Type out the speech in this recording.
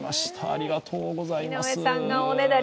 ありがとうございます。